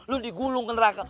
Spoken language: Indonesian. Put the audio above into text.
lu digulung ke neraka